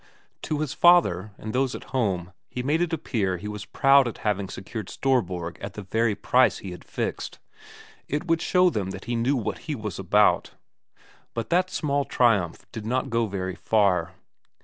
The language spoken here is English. To his father and those at home he made it appear that he was proud at having secured Storborg at the very price he had fixed it would show them he knew what he was about. But that small triumph did not go very far.